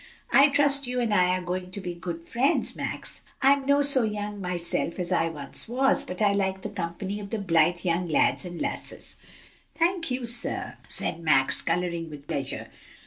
"I trust you and I are going to be good friends, Max. I'm no so young myself as I once was, but I like the company of the blithe young lads and lasses." "Thank you, sir," said Max, coloring with pleasure.